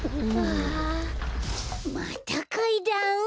またかいだん？